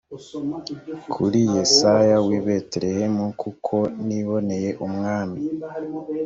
kuri yesayi w i betelehemu kuko niboneye umwami